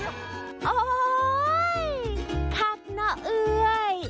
โอ๊ยครับน่ะเอ้ย